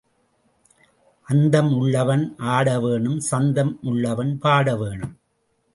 அந்தம் உள்ளவன் ஆட வேணும் சந்தம் உள்ளவன் பாட வேணும்.